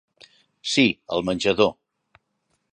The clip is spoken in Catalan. Sí, al menjador.